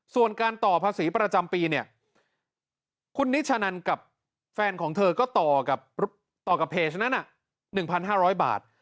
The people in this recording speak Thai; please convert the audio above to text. ส่วนการต่อภาษีประจำปีเนี่ยคุณนิชนันกับแฟนของเธอก็ต่อกับเพจนั้น๑๕๐๐บาท